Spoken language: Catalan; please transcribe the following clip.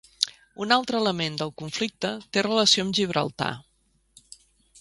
Un altre element del conflicte té relació amb Gibraltar.